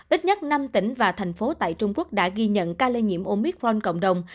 ít nhất năm tỉnh và thành phố tại trung quốc đã ghi nhận ca lây nhiễm omicron cộng đồng